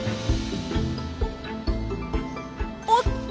おっと！